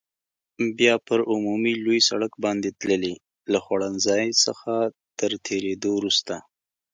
بیا پر عمومي لوی سړک باندې تللې، له خوړنځای څخه تر تېرېدو وروسته.